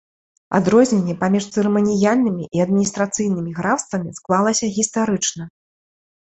Адрозненне паміж цырыманіяльнымі і адміністрацыйнымі графствамі склалася гістарычна.